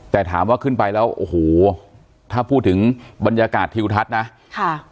แต่ถามว่าขึ้นไปแล้วโอ้โหถ้าพูดถึงบรรยากาศทิวทัศน์นะค่ะ